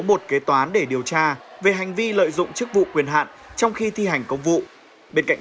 một kế toán để điều tra về hành vi lợi dụng chức vụ quyền hạn trong khi thi hành công vụ bên cạnh